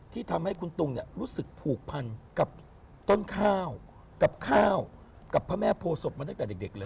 ที่ทำให้คุณตุงรู้สึกผูกพันกับต้นข้าวกับข้าวกับพระแม่โพศพมาตั้งแต่เด็กเลย